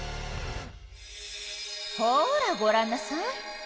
ほらごらんなさい。